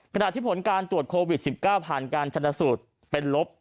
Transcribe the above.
ขณะที่ผลการตรวจโควิด๑๙ผ่านการชนะสูตรเป็นลบ